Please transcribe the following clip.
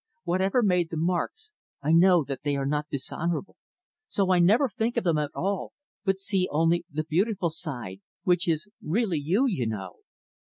"Whatever made the marks, I know that they are not dishonorable. So I never think of them at all, but see only the beautiful side which is really you, you know."